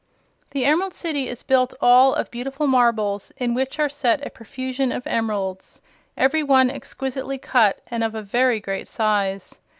The Emerald City is built all of beautiful marbles in which are set a profusion of emeralds, every one exquisitely cut and of very great size.